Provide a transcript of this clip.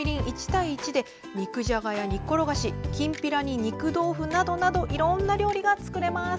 １対１で肉じゃがや煮ころがしきんぴらに肉豆腐などなどいろんな料理が作れます！